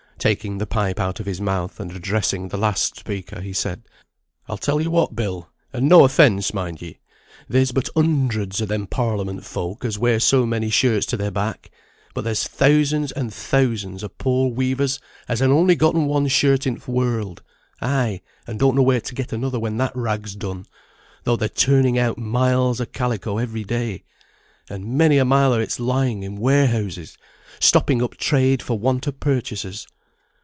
Taking the pipe out of his mouth, and addressing the last speaker, he said: "I'll tell ye what, Bill, and no offence, mind ye; there's but hundreds of them Parliament folk as wear so many shirts to their back; but there's thousands and thousands o' poor weavers as han only gotten one shirt i' th' world; ay, and don't know where t' get another when that rag's done, though they're turning out miles o' calico every day; and many a mile o't is lying in warehouses, stopping up trade for want o' purchasers.